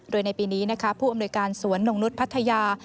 โดยในปีนี้นะคะผู้อำนวยการสวนนงนุษย์พัทยา